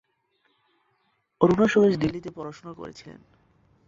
অরুণা সুরেশ দিল্লিতে পড়াশোনা করেছিলেন।